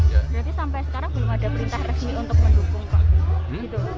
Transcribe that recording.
berarti sampai sekarang belum ada perintah resmi untuk mendukung pak